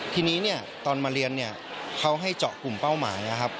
ทีนี้ตอนมาเรียนเขาให้เจาะกลุ่มเป้าหมาย